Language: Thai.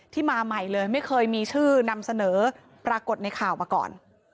มาใหม่เลยไม่เคยมีชื่อนำเสนอปรากฏในข่าวมาก่อน